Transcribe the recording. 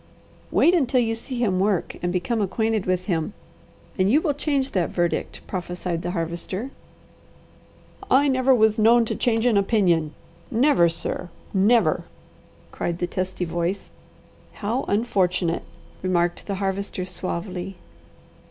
"Wait until you see him work and become acquainted with him, and you will change that verdict," prophesied the Harvester. "I never was known to change an opinion. Never, sir! Never!" cried the testy voice. "How unfortunate!" remarked the Harvester suavely.